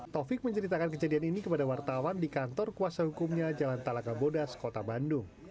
taufik menceritakan kejadian ini kepada wartawan di kantor kuasa hukumnya jalan talaka bodas kota bandung